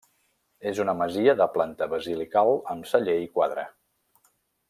És una masia de planta basilical, amb celler i quadra.